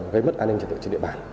gây mất an ninh trật tự trên địa bàn